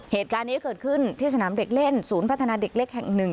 เหตุการณ์นี้เกิดขึ้นที่สนามเด็กเล่นศูนย์พัฒนาเด็กเล็กแห่งหนึ่ง